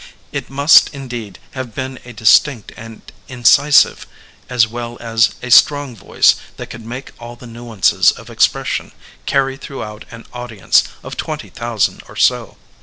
It must, indeed, have been a distinct and incisive as well as a strong voice that could make all the nuances of expression carry throughout an audience of twenty thousand or so.